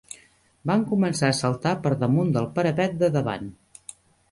Van començar a saltar per damunt del parapet de davant